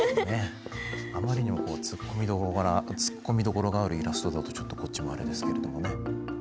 あまりにもツッコミどころがあるイラストだとちょっとこっちもあれですけれどもね。